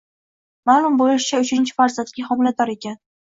Ma'lum bo'lishicha, uchinchi farzandiga homilador ekan